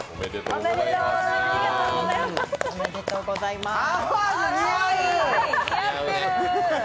ありがとうございます。